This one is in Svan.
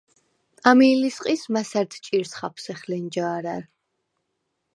ამი ლისყის მასა̈რდ ჭირს ხაფსეხ ლენჯა̄რა̈რ.